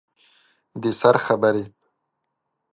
د سر خبرې